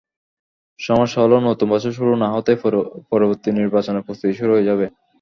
সমস্যা হলো, নতুন বছর শুরু না-হতেই পরবর্তী নির্বাচনের প্রস্তুতি শুরু হয়ে যাবে।